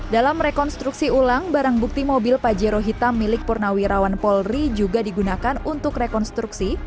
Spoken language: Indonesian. dalam rekonstruksi ulang barang bukti mobil pajero hitam milik purnawirawan polri juga digunakan untuk rekonstruksi